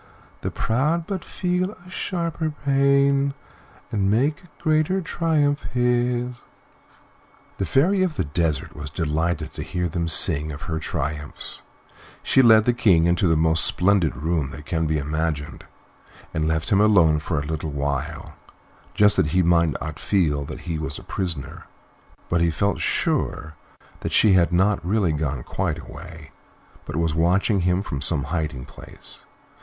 The proud but feel a sharper pain, And make a greater triumph his." The Fairy of the Desert was delighted to hear them sing of her triumphs; she led the King into the most splendid room that can be imagined, and left him alone for a little while, just that he might not feel that he was a prisoner; but he felt sure that she had not really gone quite away, but was watching him from some hiding place.